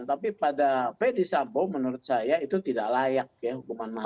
tapi pada ferdis sambo menurut saya itu tidak layak ya hukuman masing masing